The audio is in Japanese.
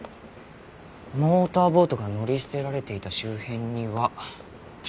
モーターボートが乗り捨てられていた周辺には。